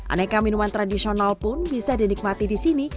aneka minuman tradisional pun bisa dinikmati di sini